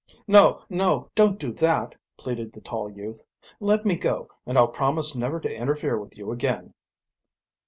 "No, no, don't do that," pleaded the tall youth. "Let me go and I'll promise never to interfere with you again."